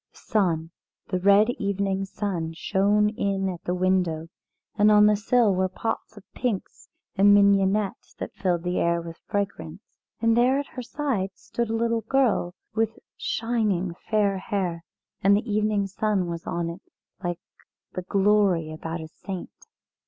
The sun, the red evening sun, shone in at the window, and on the sill were pots of pinks and mignonette that filled the air with fragrance. And there at her side stood a little girl with shining fair hair, and the evening sun was on it like the glory about a saint.